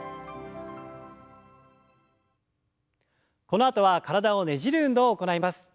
このあとは体をねじる運動を行います。